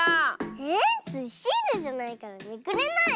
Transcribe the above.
⁉えスイシールじゃないからめくれないよ。